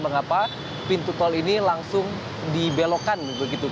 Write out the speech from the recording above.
mengapa pintu tol ini langsung dibelokkan begitu